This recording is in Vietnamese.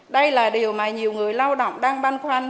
đây là điều mà nhiều người lao động đang băn khoăn